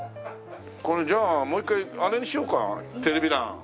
これじゃあもう１回あれにしようかテレビ欄。